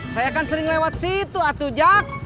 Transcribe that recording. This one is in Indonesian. saya kan sering lewat situ atu jak